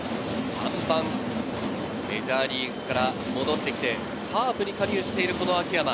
３番、メジャーリーグから戻ってきてカープに加入している秋山。